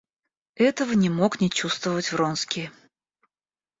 Этого не мог не чувствовать Вронский.